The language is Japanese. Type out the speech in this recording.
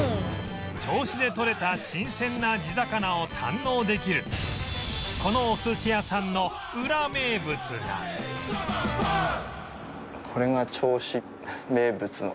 銚子でとれた新鮮な地魚を堪能できるこのお寿司屋さんのウラ名物がえっ？